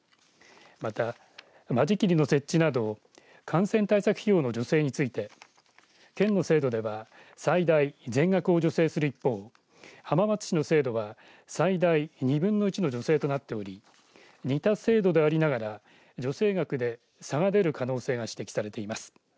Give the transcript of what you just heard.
また、間仕切りの設置など感染対策費用の助成について県の制度では最大全額を助成する一方浜松市の制度は最大２分の１の助成となっており似た制度でありながら助成額で差が出る可能性が指摘されています。